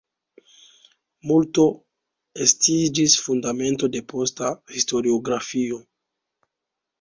Multo estiĝis fundamento de posta historiografio.